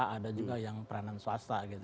ada juga yang peranan swasta gitu